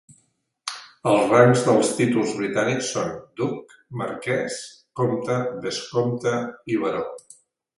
Els rangs dels títols britànics són: duc, marquès, comte, vescomte i baró.